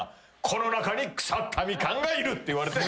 この中に腐ったミカンがいる」って言われて。